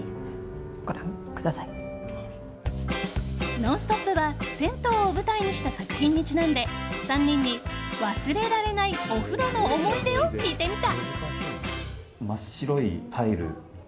「ノンストップ！」は銭湯を舞台にした作品にちなんで３人に忘れられないお風呂の思い出を聞いてみた。